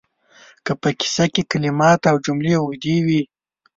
که په کیسه کې کلمات او جملې اوږدې وي